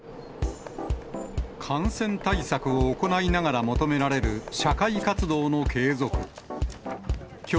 感染対策を行いながら求められる、社会活動の継続。